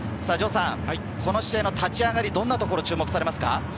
この試合の立ち上がり、どんなところに注目されますか？